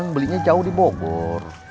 belinya jauh di bogor